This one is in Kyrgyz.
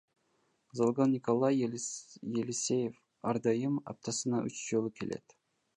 Залга Николай Елисеев ар дайым аптасына үч жолу келет.